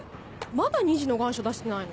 まだ２次の願書出してないの？